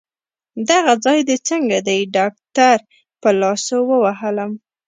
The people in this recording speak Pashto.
دغه ځای دي څنګه دی؟ ډاکټر په لاسو ووهلم.